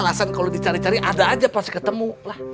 alasan kalau dicari cari ada aja pas ketemu lah